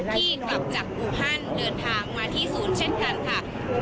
ที่กลับจากอูฮันเดินทางมาที่ศูนย์เช่นกันค่ะ